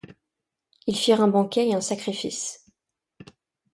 Ils firent un banquet et un sacrifice.